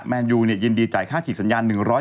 แมนดิวเนี่ยยินดีจ่ายค่าฉีกสัญญาณ